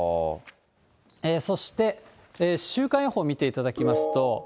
そして週間予報見ていただきますと。